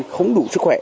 không đủ sức khỏe